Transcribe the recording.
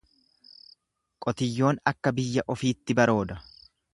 Qotiyyoon akka biyya ofiitti barooda.